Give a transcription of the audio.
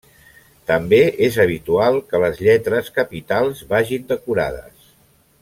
També és habitual que les lletres capitals vagin decorades.